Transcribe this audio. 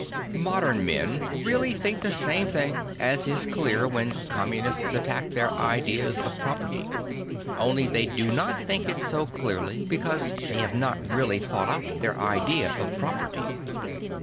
Modern men really think the same thing, as is clear when com munists attack their ideas of property. Only they do not think it so clearly, because they have not really thought out their idea of property.